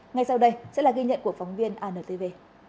ngay sau đây sẽ là ghi nhận của phóng viên antv